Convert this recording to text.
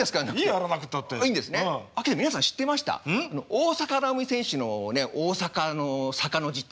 大坂なおみ選手の大坂の坂の字ってね